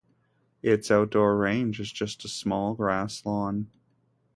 Its outdoor range is just a small grass lawn.